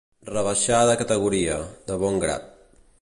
Rebaixar de categoria, de bon grat.